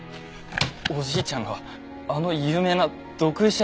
おじいちゃんがあの有名な毒医者